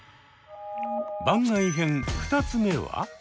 番外編２つ目は。